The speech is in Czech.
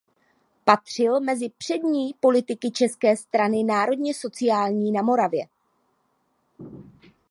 Patřil mezi přední politiky České strany národně sociální na Moravě.